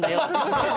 ハハハハ！